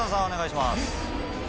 お願いします。